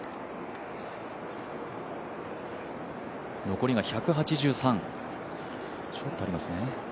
残りが１８３、ちょっとありますね。